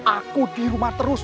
aku di rumah terus